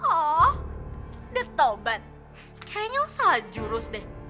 oh detobat kayaknya lo salah jurus deh